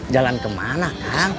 jalan kemana kang